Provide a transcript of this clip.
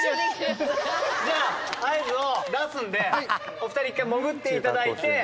じゃあ、合図を出すんで、お２人、一回潜っていただいて。